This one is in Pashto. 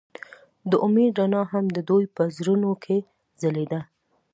د امید رڼا هم د دوی په زړونو کې ځلېده.